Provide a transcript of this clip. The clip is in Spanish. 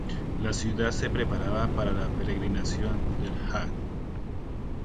La ciudad se preparaba para la peregrinación del Hajj.